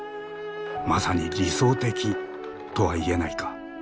まさに理想的とは言えないか。